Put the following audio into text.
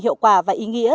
hiệu quả và ý nghĩa